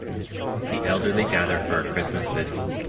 The elderly gather for a Christmas vigil.